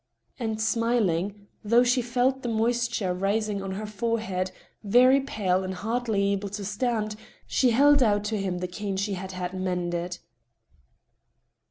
And smiling, though she felt the moisture rising on her forehead, very pale, and hardly able to stand, she held out to him the cane she had had mended.